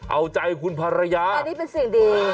เอาใจคุณภรรยาอันนี้เป็นสิ่งดี